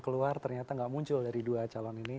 keluar ternyata nggak muncul dari dua calon ini